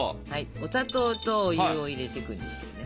お砂糖とお湯を入れていくんですけどね。